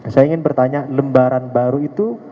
saya ingin bertanya lembaran baru itu